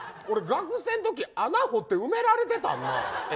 俺学生の時穴掘って埋められてたん？